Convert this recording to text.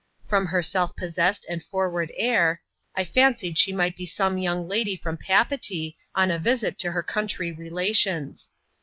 From her self possessed and foward air I fancied she might be some young lady from Papeetee, on a visit to her country relations.